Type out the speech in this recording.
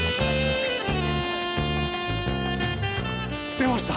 出ました！